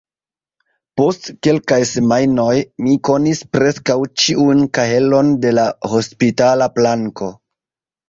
Post kelkaj semajnoj, mi konis preskaŭ ĉiun kahelon de la hospitala planko.